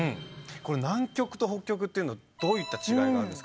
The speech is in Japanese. これ南極と北極っていうのはどういった違いがあるんですか？